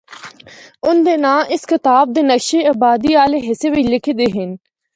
ان دے ناں اس کتاب دے نقشہ آبادی آلے حصے بچ لِکھے دے ہن۔